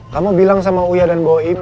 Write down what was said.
kamu bilang sama uya dan boy